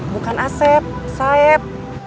bukan asep saep